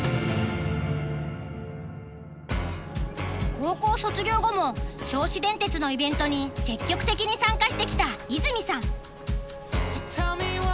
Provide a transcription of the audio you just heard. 高校卒業後も銚子電鉄のイベントに積極的に参加してきた和泉さん。